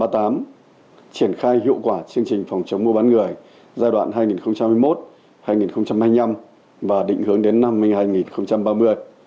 triển khai hiệu quả chương trình phòng chống mua bán người giai đoạn hai nghìn hai mươi một hai nghìn hai mươi năm và định hướng đến năm hai nghìn ba mươi